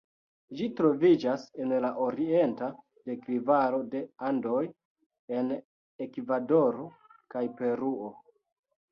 Ĝi troviĝas en la orienta deklivaro de Andoj en Ekvadoro kaj Peruo.